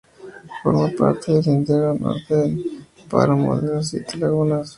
Forma parte de el lindero norte del páramo de Las Siete Lagunas.